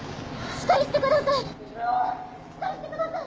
「しっかりしてください！